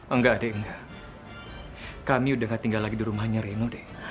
enggak deh enggak kami udah gak tinggal lagi di rumahnya reno deh